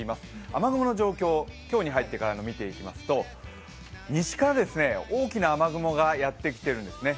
雨雲の状況、今日に入ってからのを見ていきますと西から大きな雨雲がやってきているんですね。